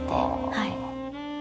はい。